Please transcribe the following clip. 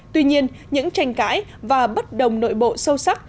tuy nhiên những tranh cãi và bất đồng nội bộ sâu sắc